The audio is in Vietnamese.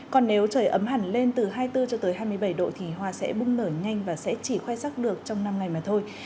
còn nếu trời ấm hẳn lên từ hai mươi bốn cho tới hai mươi bảy độ thì hoa sẽ bung nở nhanh và sẽ chỉ khoe sắc được trong năm ngày mà thôi